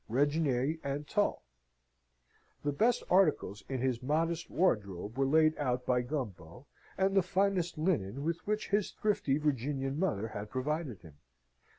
Regnier and Tull; the best articles in his modest wardrobe were laid out by Gumbo, and the finest linen with which his thrifty Virginian mother had provided him.